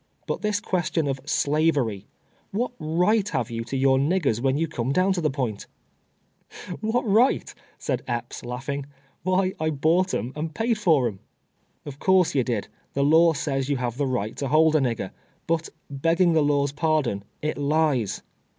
But this question of Slavery ^ what r'ujht have you to your niggers when you come down to the point ?"'• AVhat right I " said E2:)ps, laughing ;'' ^vhy, I bought 'em, and i)aid for 'em," Of course you did ; the law says you have the right to hold a nigger, but begging the law's pardon, it lies.